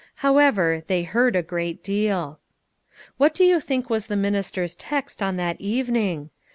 How ever, they heard a great deal. What do you think was the minister's text on that evening